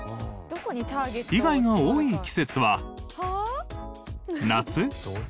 被害が多い季節は夏？